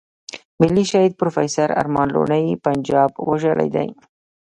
ملي شهيد پروفېسور ارمان لوڼی پنجاب وژلی دی.